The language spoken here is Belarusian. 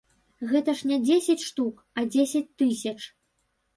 Гэта ж не дзесяць штук, а дзесяць тысяч.